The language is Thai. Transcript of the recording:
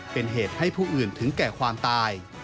เป็นเหตุให้ผู้อื่นถึงแก่ความตาย